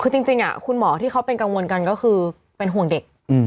คือจริงคุณหมอที่เขาเป็นกังวลกันก็คือเป็นห่วงเด็ก